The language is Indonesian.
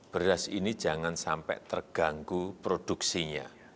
beras ini jangan sampai terganggu produksinya